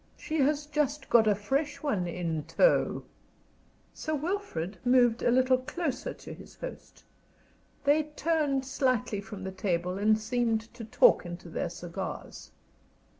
She has just got a fresh one in tow." Sir Wilfrid moved a little closer to his host. They turned slightly from the table and seemed to talk into their cigars.